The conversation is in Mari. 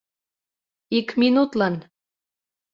Ик минутлан!